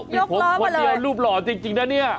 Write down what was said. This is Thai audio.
มีผมคนเดียวรูปหล่อจริงนะเนี่ย